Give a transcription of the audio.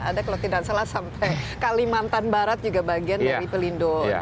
ada kalau tidak salah sampai kalimantan barat juga bagian dari pelindo